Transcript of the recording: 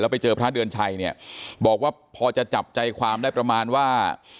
ไปเจอพระเดือนชัยเนี่ยบอกว่าพอจะจับใจความได้ประมาณว่า